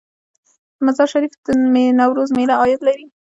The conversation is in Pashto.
د مزار شریف د نوروز میله عاید لري؟